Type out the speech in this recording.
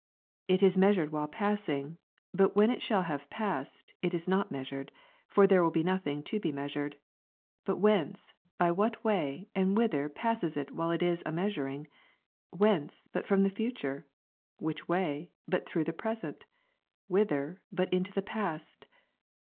It is measured while passing, but when it shall have past, it is not measured ; for there will be nothing to be measured. But whence, by what way, and whither passes it while it is a measuring? whence, but from the future ? Which way, but through the present ? whither, but into the past